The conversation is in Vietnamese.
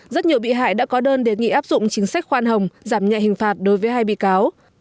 rất nhiều bị hại đã có đơn đề nghị áp dụng chính sách khoan hồng giảm nhẹ hình phạt đối với hai bị cáo